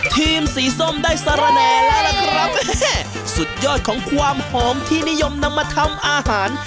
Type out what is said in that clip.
ทีมสีส้มได้สารแห่แล้วล่ะครับสุดยอดของความหอมที่นิยมนำมาทำอาหาร